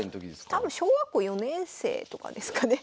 多分小学校４年生とかですかね。